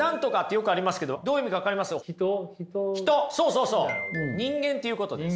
そうそう人間っていうことです。